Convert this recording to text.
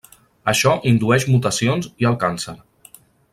Això indueix mutacions i el càncer.